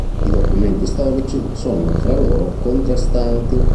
I documenti storici sono fra loro contrastanti.